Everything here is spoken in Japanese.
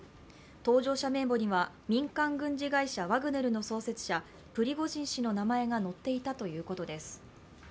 搭乗者名簿には、民間軍事会社ワグネルの創設者プリゴジン氏の名前が載っていたということです。